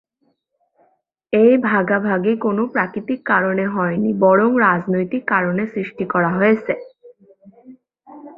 এই ভাগাভাগি কোনো প্রাকৃতিক কারণে হয়নি, বরং রাজনৈতিক কারণে সৃষ্টি করা হয়েছে।